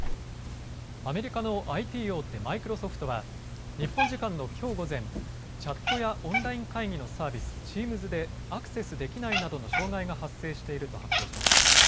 アメリカのＩＴ大手、マイクロソフトは日本時間のきょう午前、チャットやオンライン会議のサービス、チームズでアクセスできないなどの障害が発生していると発表しました。